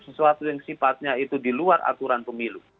sesuatu yang sifatnya itu diluar aturan pemilu